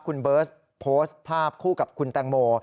คุณเบิร์ตโพสต์ภาพคู่กับคุณแตงโม